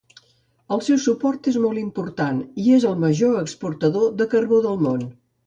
El seu port és molt important i és el major exportador de carbó del món.